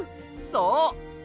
そう！